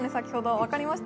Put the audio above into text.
分かりました。